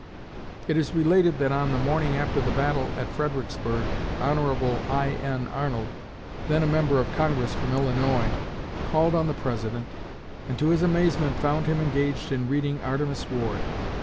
It is related that on the morning after the battle at Fredericksburg, Hon. I.N. Arnold, then a member of Congress from Illinois, called on the President, and to his amazement found him engaged in reading "Artemus Ward."